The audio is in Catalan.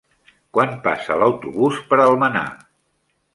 Quan passa l'autobús per Almenar?